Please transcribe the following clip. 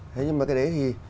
thế nhưng mà cái đấy thì